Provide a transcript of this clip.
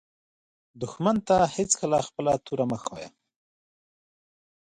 دښمن ته هېڅکله خپله توره مه ښایه